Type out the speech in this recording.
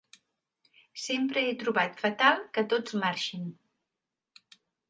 Sempre he trobat fatal que tots marxin.